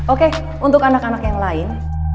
oke untuk anak anak yang lain